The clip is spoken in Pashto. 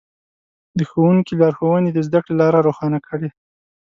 د ښوونکي لارښوونې د زده کړې لاره روښانه کړه.